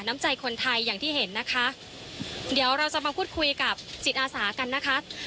น้ำใจคนไทยอย่างที่เห็นนะคะเดี๋ยวเราจะมาพูดคุยกับจิตอาสากันนะคะ